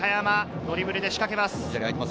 ドリブルで仕掛けます。